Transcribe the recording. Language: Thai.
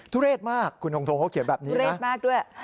ทุเรศมากคุณทงเขาเขียนแบบนี้ทุเรศมากด้วย